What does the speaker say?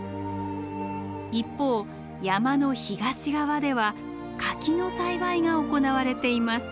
一方山の東側では柿の栽培が行われています。